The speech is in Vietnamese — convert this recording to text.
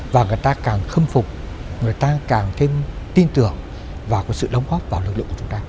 và người ta càng khâm phục người ta càng thêm tin tưởng vào sự đóng góp vào lực lượng của chúng ta